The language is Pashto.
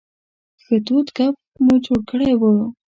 ښه تود ګپ مو جوړ کړی و.